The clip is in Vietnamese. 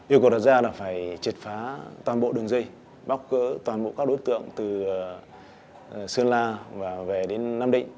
yêu cầu đặt ra là phải triệt phá toàn bộ đường dây bóc cỡ toàn bộ các đối tượng từ sơn la và về đến nam định